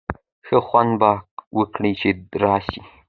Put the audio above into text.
ښه خوند به وکړي چي راسی.